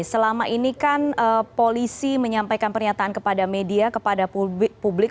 selama ini kan polisi menyampaikan pernyataan kepada media kepada publik